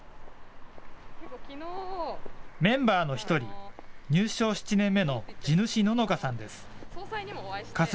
メンバーの一人、入省７年目の地主野の香さんです。